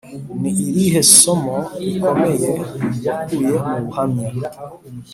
Ni irihe somo rikomeye wakuye mu buhamya